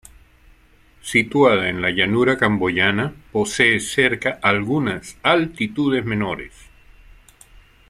Situada en la llanura camboyana, posee cerca algunas altitudes menores.